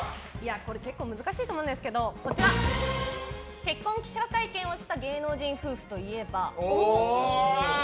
これ、結構難しいと思うんですけど結婚記者会見をした芸能人夫婦といえば？